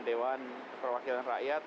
dewan perwakilan rakyat